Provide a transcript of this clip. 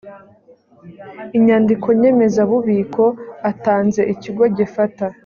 inyandiko nyemezabubiko atanze ikigo gifata